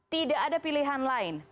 tidak ada pilihan lain